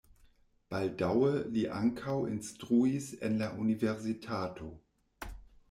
Baldaŭe li ankaŭ instruis en la universitato.